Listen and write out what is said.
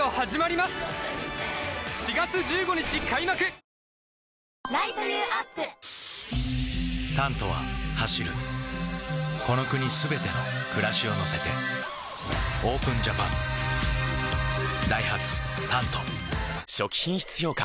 「サッポロ濃いめのレモンサワー」リニューアル「タント」は走るこの国すべての暮らしを乗せて ＯＰＥＮＪＡＰＡＮ ダイハツ「タント」初期品質評価